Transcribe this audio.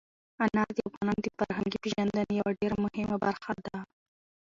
انار د افغانانو د فرهنګي پیژندنې یوه ډېره مهمه برخه ده.